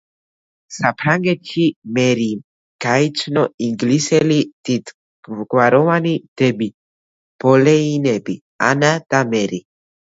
საფრანგეთში მერიმ გაიცნო ინგლისელი დიდგვაროვანი დები ბოლეინები, ანა და მერი.